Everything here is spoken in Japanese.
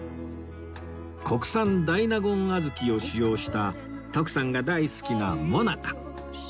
国産大納言小豆を使用した徳さんが大好きなもなか